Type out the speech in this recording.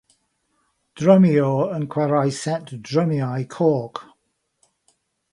Drymiwr yn chwarae set drymiau coch.